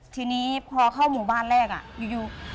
ทีนี้พอเข้าหมู่บ้านแรกอยู่